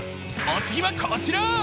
お次はこちら。